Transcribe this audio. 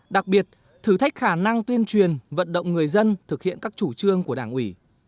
đặc biệt thử thách khả năng tuyên truyền vận động người dân thực hiện các chủ trương của đảng ủy